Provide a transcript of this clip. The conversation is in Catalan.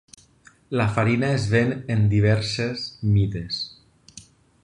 La farina es ven en diverses mides.